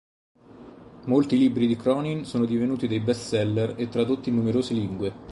Molti libri di Cronin sono divenuti dei bestseller e tradotti in numerose lingue.